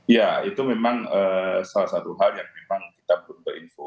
ya itu memang salah satu hal yang memang kita belum terinfo